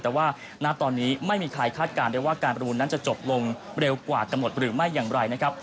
แต่ว่าณตอนนี้ไม่มีใครคาดการณ์ได้ว่าการประมูลนั้นจะจบลงเร็วกว่ากำหนดหรือไม่อย่างไรนะครับ